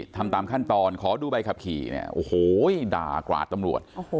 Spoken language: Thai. ทำตามขั้นตอนขอดูใบขับขี่เนี่ยโอ้โหด่ากราดตำรวจ